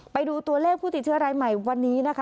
ไปดูตัวเลขผู้ติดเชื้อรายใหม่วันนี้นะคะ